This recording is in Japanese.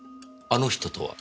「あの人」とは？